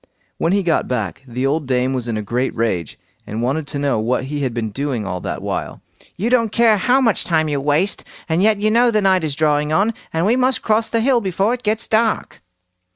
When he got back, the old dame was in a great rage, and wanted to know what he had been doing all that while. "You don't care how much time you waste, and yet you know the night is drawing on, and we must cross the hill before it is dark!"